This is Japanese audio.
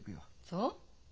そう？